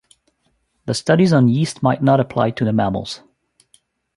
The studies on yeast might not apply to the mammals.